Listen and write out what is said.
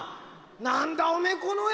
何だおめえこの絵！